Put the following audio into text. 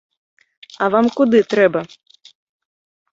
А вам куды трэба?